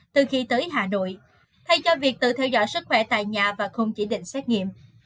từ khi tới hà nội thay cho việc tự theo dõi sức khỏe tại nhà và không chỉ định xét nghiệm